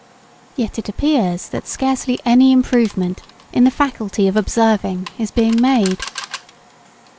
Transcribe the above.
] Yet it appears that scarcely any improvement in the faculty of observing is being made.